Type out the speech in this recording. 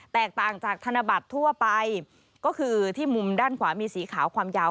แตกต่างจากธนบัตรทั่วไปก็คือที่มุมด้านขวามีสีขาวความยาว